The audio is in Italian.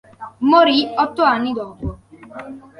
Morì otto anni dopo.